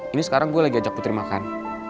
ini sekarang gue lagi ajak putri makan